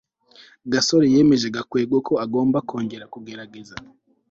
gasore yemeje gakwego ko agomba kongera kugerageza